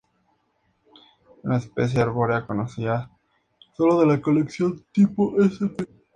Es una especie arbórea conocida solo de la colección tipo, sp.